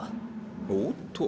おっと。